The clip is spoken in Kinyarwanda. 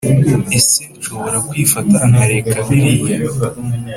ese nshobora kwifata nkareka biriya?